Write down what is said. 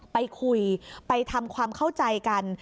ไปคุยไปทำความเข้าใจกัน